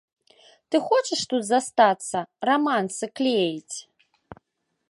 Ты хочаш тут застацца, рамансы клеіць.